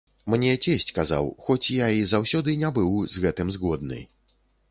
Мне цесць казаў, хоць я і заўсёды не быў з гэтым згодны.